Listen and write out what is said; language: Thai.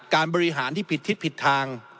การบริหารที่ผิดทิศผิดทาง